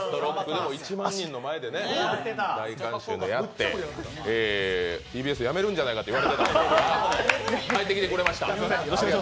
でも１万人の前で、大観衆でやってＴＢＳ辞めるんじゃないかと言われていましたが、帰ってきてくれました。